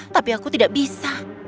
tapi aku tidak bisa